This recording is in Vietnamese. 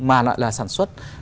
mà lại là sản xuất